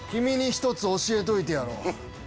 一つ教えといてやろう。